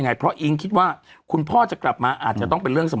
สรุปไม่ว่ากลับกรกฎาใช่ไหม